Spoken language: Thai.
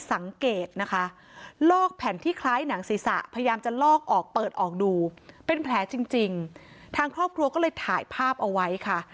สังเกตนะคะลอกแผ่นที่คล้ายหนังศีรษะพยายามจะลอกออกเปิดออกดูเป็นแผลจริงทางครอบครัวก็เลยถ่ายภาพเอาไว้ค่ะ